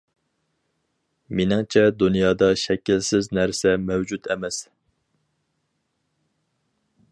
مېنىڭچە دۇنيادا شەكىلسىز نەرسە مەۋجۇت ئەمەس.